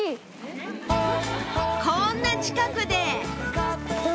こんな近くで！